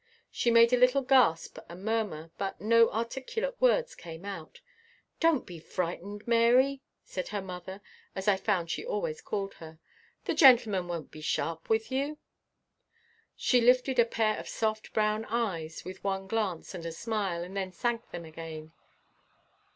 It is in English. She made a little gasp and murmur, but no articulate words came. "Don't be frightened, Mary," said her mother, as I found she always called her. "The gentleman won't be sharp with you." She lifted a pair of soft brown eyes with one glance and a smile, and then sank them again.